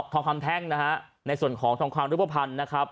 ทองคำแท่งนะฮะในส่วนของทองคำรูปภัณฑ์นะครับ